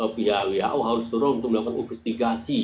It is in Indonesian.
pihak who harus turun untuk melakukan investigasi